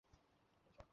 অনেকে সাহায্য চায়।